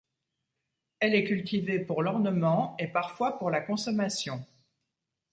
Elle est cultivée pour l'ornement, et parfois pour la consommation.